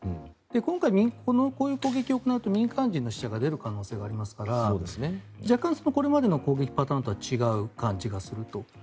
今回、こういう攻撃を行うと民間人の死者が出る可能性がありますから若干これまでの攻撃パターンとは違う感じがすると。